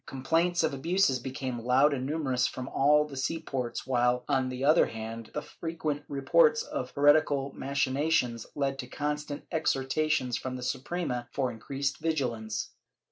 Com plaints of abuses became loud and numerous from all the sea ports while, on the other hand, the frequent reports of heretical machinations led to constant exhortations from the Suprema for increased vigilance.